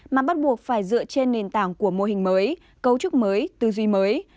mà bắt buộc phải dựa trên nền tảng của mô hình mới cấu trúc mới tư duy mới